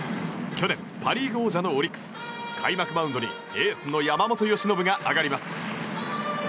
去年、パ・リーグ王者のオリックス。開幕マウンドにエースの山本由伸が上がります。